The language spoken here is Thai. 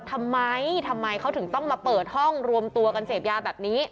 ทำไมทำไมเขาถึงต้องมาเปิดห้องรวมตัวกันเสพยาแบบนี้